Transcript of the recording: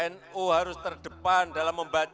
nu harus terdepan dalam